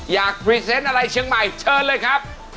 อยากพรีเซนต์อะไรเชียงใหม่เชิญเลยครับ